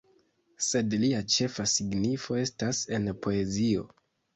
Sed lia ĉefa signifo estas en poezio.